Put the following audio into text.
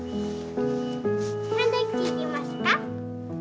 サンドイッチいりますか？